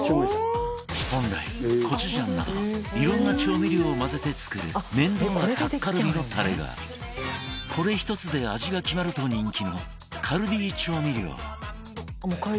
本来コチュジャンなどいろんな調味料を混ぜて作る面倒なタッカルビのタレがこれ１つで味が決まると人気のカルディ調味料帰り。